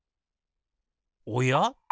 おや？